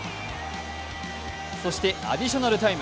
そしてアディショナルタイム。